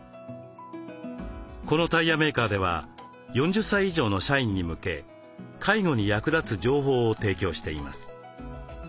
このタイヤメーカーでは４０歳以上の社員に向け介護に役立つ情報を提供しています。